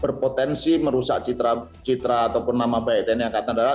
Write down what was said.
berpotensi merusak citra ataupun nama pak itn yang akan terhadap